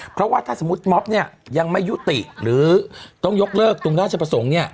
เพราะว่าถ้าสมมุติม็อบเนี่ยยังไม่ยุติหรือต้องยกเลิกตรงราชประสงค์เนี่ย